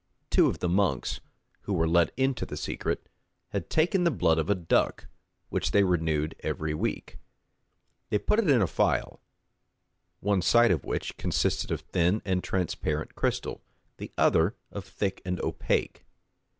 Two of the monks, who were let into the secret, had taken the blood of a duck, which they renewed every week: they put it in a phial, one side of which consisted of thin and transparent crystal, the other of thick and opaque.